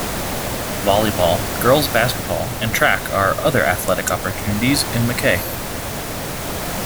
Volleyball, girls' basketball and track are other athletic opportunities in Mackay.